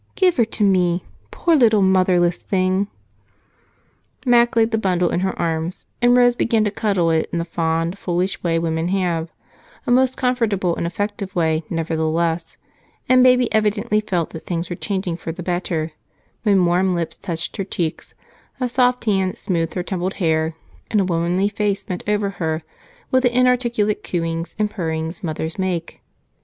Give her to me, poor little motherless thing!" Mac laid the bundle in her arms, and Rose began to cuddle it in the fond, foolish way women have a most comfortable and effective way, nevertheless and baby evidently felt that things were changing for the better when warm lips touched her cheeks, a soft hand smoothed her tumbled hair, and a womanly face bent over her with the inarticulate cooings and purrings mothers make.